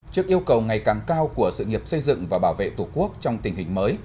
trước yêu cầu ngày càng cao của sự nghiệp xây dựng và bảo vệ tổ quốc trong tình hình mới